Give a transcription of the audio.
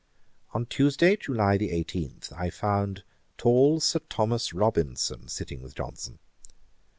] On Tuesday, July 18, I found tall Sir Thomas Robinson sitting with Johnson.